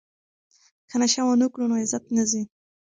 که نشه ونه کړو نو عزت نه ځي.